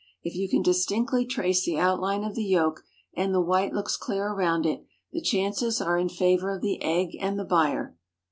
If you can distinctly trace the outline of the yolk and the white looks clear around it, the chances are in favor of the egg and the buyer.